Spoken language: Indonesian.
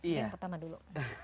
yang pertama dulu